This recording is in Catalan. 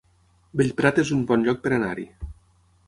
Bellprat es un bon lloc per anar-hi